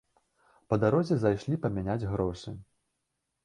Па дарозе зайшлі памяняць грошы.